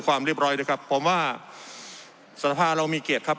สภาคหาแรองมีเกียรติครับ